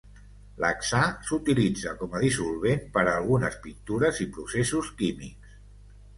L'hexà s'utilitza com a dissolvent per a algunes pintures i processos químics.